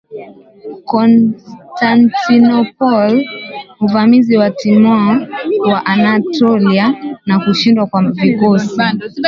Constantinople Uvamizi wa Timur wa Anatolia na kushindwa kwa vikosi